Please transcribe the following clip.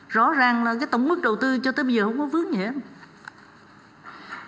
rõ ràng là cái tổng mức đầu tư cho tới bây giờ không có vướng gì hết